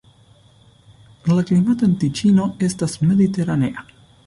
La klimato en Tiĉino estas mediteranea.